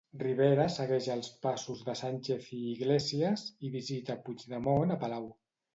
Rivera segueix els passos de Sánchez i Iglesias, i visita Puigdemont a palau.